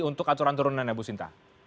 untuk aturan turunannya bu sinta